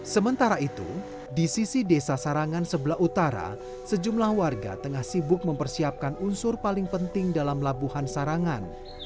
sementara itu di sisi desa sarangan sebelah utara sejumlah warga tengah sibuk mempersiapkan unsur paling penting dalam labuhan sarangan